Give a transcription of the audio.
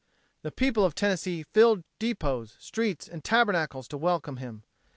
The people of Tennessee filled depots, streets and tabernacles to welcome him.